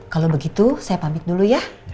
kalau begitu saya pamit dulu ya